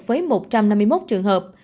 với một trăm năm mươi một trường hợp